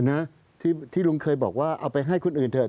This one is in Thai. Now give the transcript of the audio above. นะที่ลุงเคยบอกว่าเอาไปให้คนอื่นเถอะ